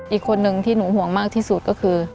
อีกคนนึงที่หนูห่วงมากที่สุดก็คือ